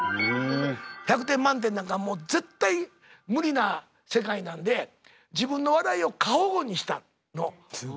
１００点満点なんかもう絶対無理な世界なんで自分の笑いを過保護にしたの。